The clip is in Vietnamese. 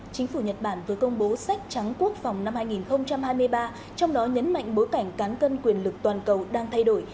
chính phủ nhật bản vừa công bố sách trắng quốc phòng năm hai nghìn hai mươi ba trong đó nhấn mạnh bối cảnh cán cân quyền lực toàn cầu đang thay đổi